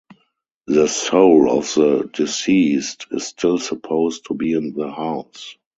The soul of the deceased is still supposed to be in the house.